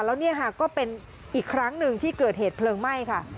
แล้วเนี่ยค่ะก็เป็นอีกครั้งหนึ่งที่เกิดเหตุเพลิงไหม้ค่ะ